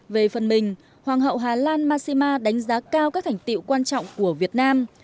về phần mình hoàng hậu hà lan massima đánh giá cao các thành tiệu quan trọng của việt nam